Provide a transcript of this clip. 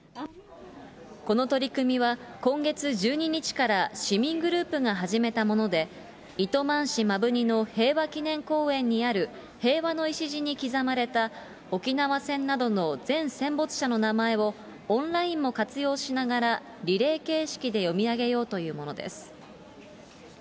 この取り組みは、今月１２日から、市民グループが始めたもので、糸満市摩文仁の平和祈念公園にある平和の礎に刻まれた、沖縄戦などの全戦没者の名前を、オンラインも活用しながら、リレー形式で読み上げようというものです。